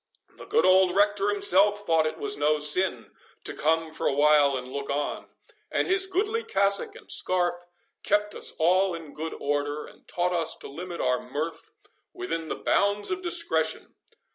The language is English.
The good old rector himself thought it was no sin to come for a while and look on, and his goodly cassock and scarf kept us all in good order, and taught us to limit our mirth within the bounds of discretion.